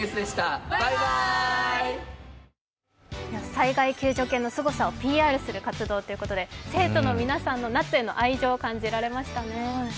災害救助犬のすごさをＰＲする活動ということで生徒の皆さんのナッツへの愛情を感じられましたね。